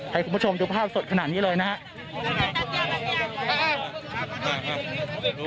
ให้คุณผู้ชมดูภาพสดขนาดนี้เลยนะครับ